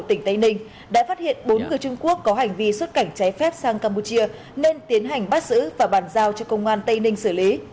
tỉnh tây ninh đã phát hiện bốn người trung quốc có hành vi xuất cảnh trái phép sang campuchia nên tiến hành bắt giữ và bàn giao cho công an tây ninh xử lý